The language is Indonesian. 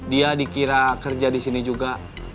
dia dikira kerja di sini juga